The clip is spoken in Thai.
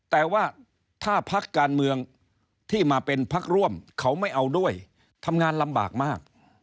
แต่ว่าถ้าพักการเมืองที่มาเป็นพักร่วมเขาไม่เอาด้วยทำงานลำบากมาก